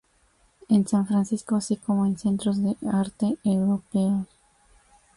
En San Francisco, así como en centros de arte europeos.